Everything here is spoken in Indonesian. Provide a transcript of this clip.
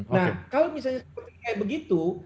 nah kalau misalnya seperti kayak begitu